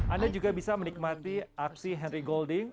anda juga bisa menikmati aksi henry golding